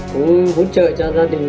cũng hỗ trợ cho gia đình